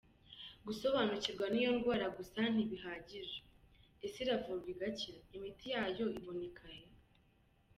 Gusobanukirwa Niyondwara Gusa Ntibihagije Ese Iravurwa Igakira? Imiti Yayo Ibonekahe?.